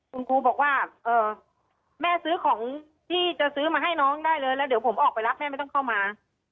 คุณครูบอกว่าแม่ซื้อของที่จะซื้อมาให้น้องได้เลยแล้วเดี๋ยวผมออกไปรับแม่ไม่ต้องเข้ามา